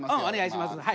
お願いします。